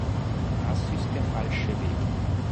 Das ist der falsche Weg.